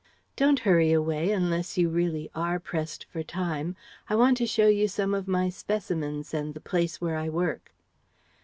"Don't hurry away unless you really are pressed for time. I want to show you some of my specimens and the place where I work."